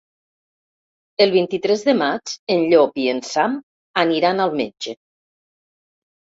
El vint-i-tres de maig en Llop i en Sam aniran al metge.